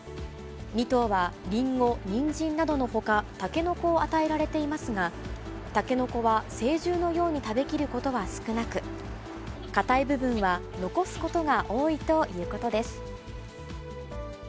２頭はリンゴ、ニンジンなどのほか、タケノコを与えられていますが、タケノコは成獣のように食べきることは少なく、硬い部分は残すことが多いということです。